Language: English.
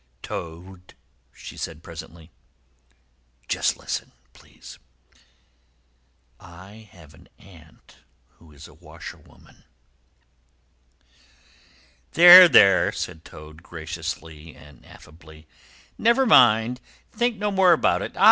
"Toad," she said presently, "just listen, please. I have an aunt who is a washerwoman." "There, there," said Toad, graciously and affably, "never mind; think no more about it.